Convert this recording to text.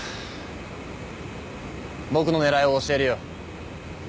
僕の狙いを教えるよ。